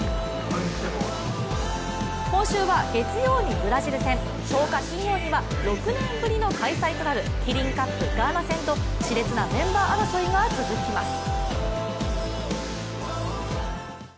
今週は月曜にブラジル戦、１０日金曜には６年ぶりの開催となるキリンカップ、ガーナ戦としれつなメンバー争いが続きます。